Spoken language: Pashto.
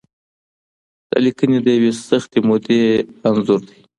دا لیکنې د یوې سختې مودې انځور دی.